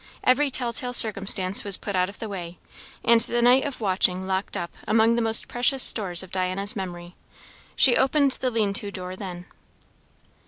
Every tell tale circumstance was put out of the way, and the night of watching locked up among the most precious stores of Diana's memory. She opened the lean to door then.